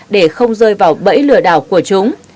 để không rơi vào bẫy lừa đảo của chúng